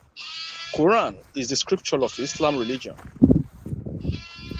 Quran is the scripture of Islam religion.